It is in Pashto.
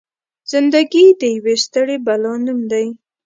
زنده ګي د يوې ستړې بلا نوم دی.